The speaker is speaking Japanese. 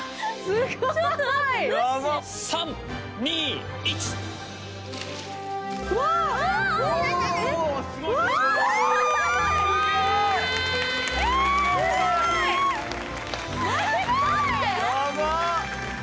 すごい。何？